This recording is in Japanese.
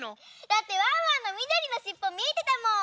だってワンワンのみどりのしっぽみえてたもん。